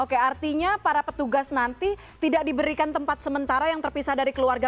oke artinya para petugas nanti tidak diberikan tempat sementara yang terpisah dari keluarga